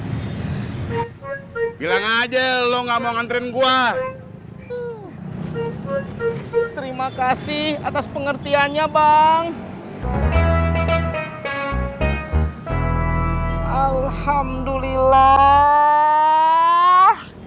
nanti bilang aja lo nggak mau ngerin gua terima kasih atas pengertiannya bang alhamdulillah